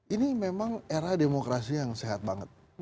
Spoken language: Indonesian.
ini memang era demokrasi yang sehat banget